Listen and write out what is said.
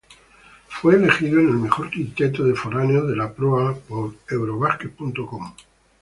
Fue elegido en el mejor quinteto de foráneos de la Pro A por "Eurobasket.com".